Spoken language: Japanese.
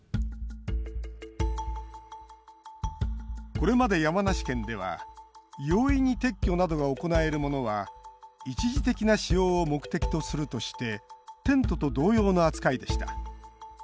これまで山梨県では容易に撤去などが行えるものは一時的な使用を目的とするとしてテントと同様の扱いでした。